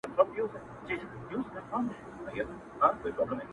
نورو ته مي شا کړې ده تاته مخامخ یمه!